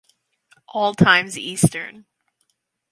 All times Eastern.